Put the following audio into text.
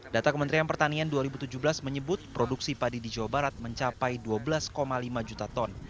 data kementerian pertanian dua ribu tujuh belas menyebut produksi padi di jawa barat mencapai dua belas lima juta ton